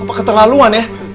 apa keterlaluan ya